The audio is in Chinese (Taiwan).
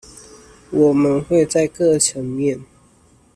我們會在各層面